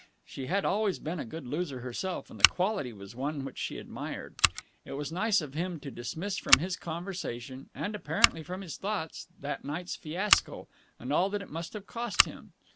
She had always been a good loser herself, and the quality was one which she admired. It was nice of him to dismiss from his conversation and apparently from his thoughts that night's fiasco and all that it must have cost him.